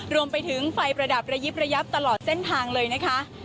รวมไปถึงไฟประดับระยิบระยับตลอดเส้นทางเลยนะคะ